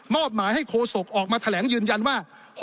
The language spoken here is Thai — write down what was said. หมายให้โคศกออกมาแถลงยืนยันว่า